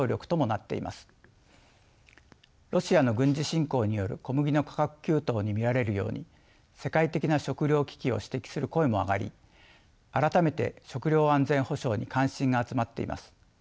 ロシアの軍事侵攻による小麦の価格急騰に見られるように世界的な食糧危機を指摘する声も上がり改めて食糧安全保障に関心が集まっています。